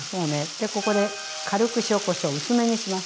でここで軽く塩・こしょう薄めにします。